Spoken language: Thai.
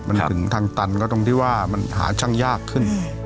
มันถึงทางตันก็ตรงที่ว่ามันหาช่างยากขึ้น